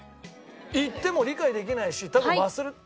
言っても理解できないし。